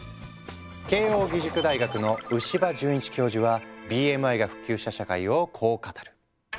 慶應義塾大学の牛場潤一教授はＢＭＩが普及した社会をこう語る。